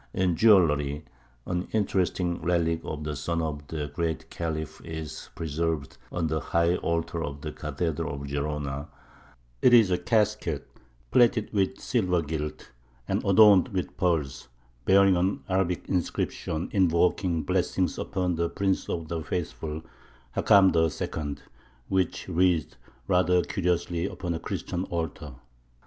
In jewellery an interesting relic of the son of the Great Khalif is preserved on the high altar of the cathedral of Gerona; it is a casket, plated with silver gilt, and adorned with pearls, bearing an Arabic inscription invoking blessings upon the Prince of the Faithful, Hakam II., which reads rather curiously upon a Christian altar.